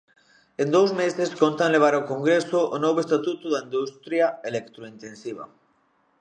En dous meses contan levar ao Congreso o novo estatuto da industria electrointensiva.